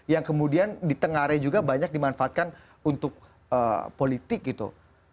yang kemudian di tengah area juga banyak dimanfaatkan untuk politik gitu